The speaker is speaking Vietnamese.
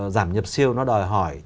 giảm nhập siêu nó đòi hỏi